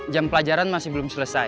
jam pelajaran masih belum selesai